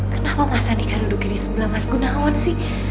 kenapa mas anika duduk di sebelah mas gunawan sih